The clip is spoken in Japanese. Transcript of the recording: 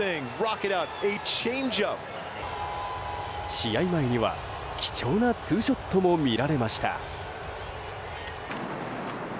試合前には貴重なツーショットも見られました。